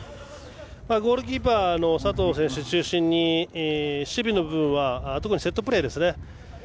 ゴールキーパーの佐藤選手を中心に守備の部分は特にセットプレー。